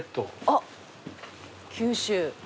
あっ九州。